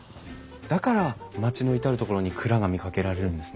だから町の至る所に蔵が見かけられるんですね。